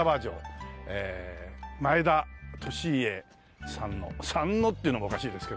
前田利家さんの「さんの」っていうのもおかしいですけども。